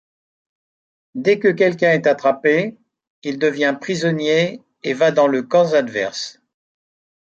Dès que quelqu'un est attrapé, il devient prisonnier et va dans le camp adverse.